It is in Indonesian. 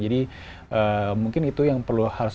jadi mungkin itu yang perlu harus